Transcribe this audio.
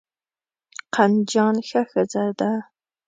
قندجان ښه ښځه ده.